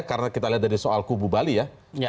karena kita lihat dari soal kubu bali ya